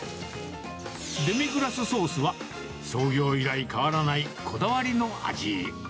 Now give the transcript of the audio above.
デミグラスソースは、創業以来変わらないこだわりの味。